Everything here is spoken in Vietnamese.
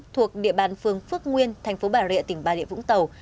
thuộc địa bàn phường phước nguyên thành phố bà rịa tỉnh bà rịa vũng tàu